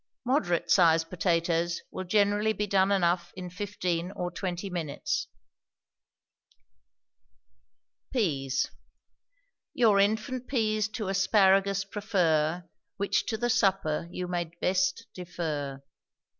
Moderate sized potatoes will generally be done enough in fifteen or twenty minutes. PEAS. Your infant peas to asparagus prefer; Which to the supper you may best defer.